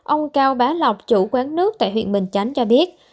ông cao bá lộc chủ quán nước tại huyện bình chánh cho biết